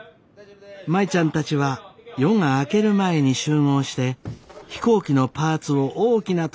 舞ちゃんたちは夜が明ける前に集合して飛行機のパーツを大きなトラックで滑走路まで運びます。